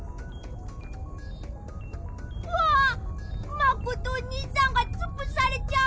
まことおにいさんがつぶされちゃう！